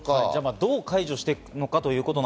どう解除していくのか？